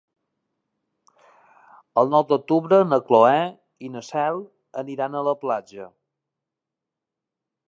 El nou d'octubre na Cloè i na Cel aniran a la platja.